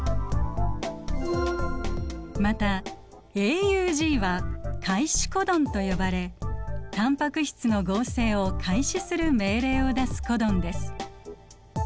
またＡＵＧは開始コドンと呼ばれタンパク質の合成を開始する命令を出すコドンです。